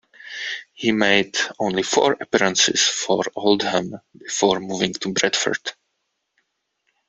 He made only four appearances for Oldham before moving to Bradford.